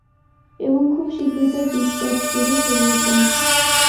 এবং খুব শীঘ্রই তার বিষ গাছ জুড়ে ছড়িয়ে পড়ে।